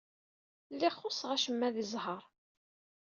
Lliɣ xuṣṣeɣ acemma di ẓẓher.